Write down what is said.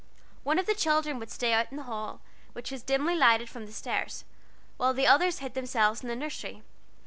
One of the children would stay out in the hall, which was dimly lighted from the stairs, while the others hid themselves in the nursery.